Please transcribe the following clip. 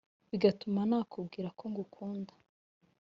bigatuma nakubwira ko nkukunda